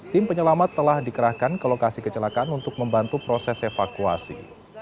tim penyelamat telah dikerahkan ke lokasi kecelakaan untuk membantu proses evakuasi